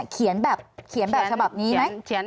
เขียนแบบฉบับนี้ไหม